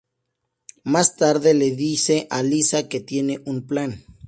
Más tarde le dice a Liza que tiene un plan.